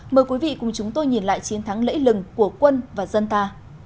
mời quý vị cùng chúng tôi nhìn lại chiến thắng lễ lừng của quân và dân ta